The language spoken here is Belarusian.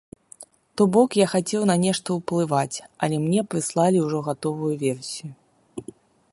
То бок, я хацеў на нешта ўплываць, але мне прыслалі ўжо гатовую версію.